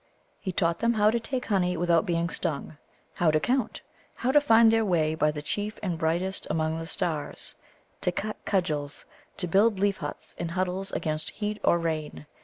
He taught them how to take honey without being stung; how to count; how to find their way by the chief and brightest among the stars; to cut cudgels, to build leaf huts and huddles against heat or rain.